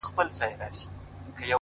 خدای ورکړي استعداد